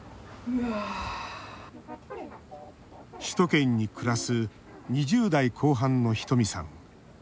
首都圏に暮らす２０代後半のひとみさん。